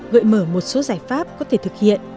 gợi mở một số giải pháp có thể thực hiện